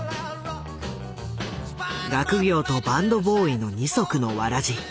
学業とバンドボーイの二足のわらじ。